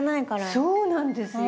そうなんですよ。